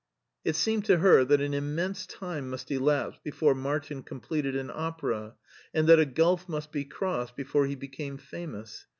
It seemed to her that an immense time must elapse before Martin completed an opera, and that a gulf must be crossed before he became famous.